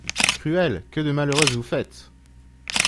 Cruel, que de malheureuses vous faites!